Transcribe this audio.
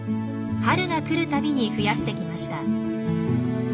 春が来る度に増やしてきました。